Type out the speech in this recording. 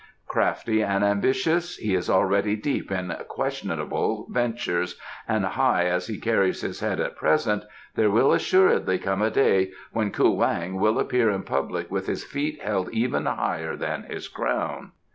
Crafty and ambitious, he is already deep in questionable ventures, and high as he carries his head at present, there will assuredly come a day when Kuo Wang will appear in public with his feet held even higher than his crown."